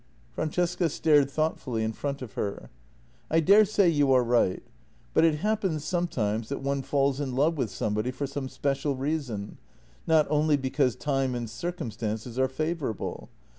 Francesca stared thoughtfully in front of her. " I daresay you are right. But it happens sometimes that one falls in love with somebody for some special reason — not only because time and circumstances are favourable.